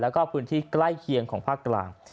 แล้วก็พื้นที่ใกล้เคียงของภาคกลาง